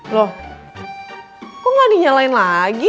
loh kok gak dinyalain lagi